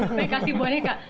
ini kita kasih boneka